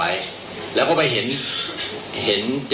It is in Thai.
เดี๋ยวไอ้ชุดเดี๋ยวเนี่ยก็มาอยู่ที่แม่ค้าแผงที่สี่นะครับ